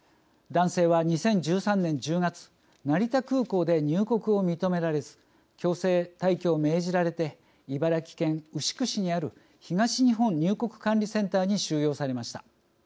男性は２０１３年１０月成田空港で入国を認められず強制退去を命じられて茨城県牛久市にある東日本入国管理センターに収容されました。